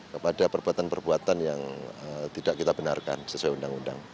kepada perbuatan perbuatan yang tidak kita benarkan sesuai undang undang